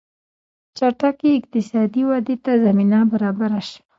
چټکې اقتصادي ودې ته زمینه برابره شوه.